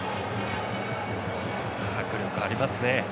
迫力ありますね。